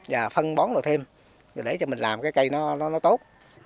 và phân bón đồ thêm để cho mình làm cái cây nó tốt